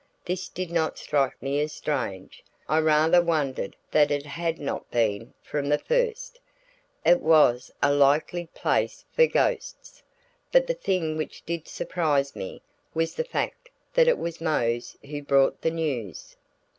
This did not strike me as strange. I rather wondered that it had not been from the first; it was a likely place for ghosts. But the thing which did surprise me, was the fact that it was Mose who brought the news.